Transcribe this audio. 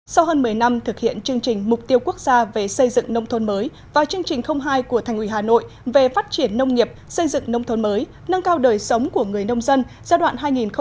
sau hơn một mươi năm thực hiện chương trình mục tiêu quốc gia về xây dựng nông thôn mới và chương trình hai của thành ủy hà nội về phát triển nông nghiệp xây dựng nông thôn mới nâng cao đời sống của người nông dân giai đoạn hai nghìn một mươi một hai nghìn hai mươi